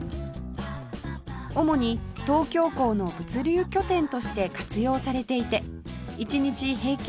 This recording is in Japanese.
主に東京港の物流拠点として活用されていて１日平均